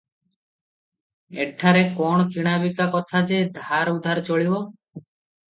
ଏଠାରେ କଣ କିଣା ବିକା କଥା ଯେ ଧାର ଉଧାର ଚଳିବ?